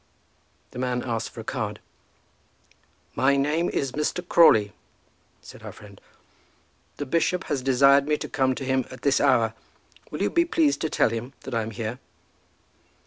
The man asked for a card. "My name is Mr. Crawley," said our friend. "The bishop has desired me to come to him at this hour. Will you be pleased to tell him that I am here."